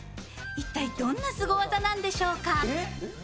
一体、どんなスゴ技なんでしょうか？